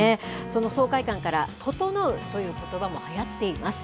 その爽快感から、ととのうということばもはやっています。